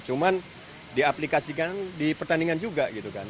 cuman diaplikasikan di pertandingan juga gitu kan